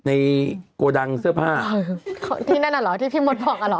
โกดังเสื้อผ้าที่นั่นอ่ะเหรอที่พี่มดบอกอ่ะเหรอ